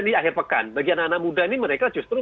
di akhir pekan bagi anak anak muda ini mereka justru